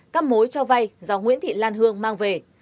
các mối cho vay do nguyễn thị lan hương mang về